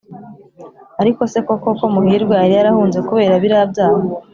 ariko se koko ko muhirwa yari yarahunze kubera biriya byaha?